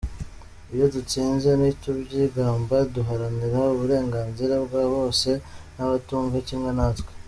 Iyo dutsinze ntitubyigamba, duharanira uburenganzira bwa bose n’abatumva kimwe natwe.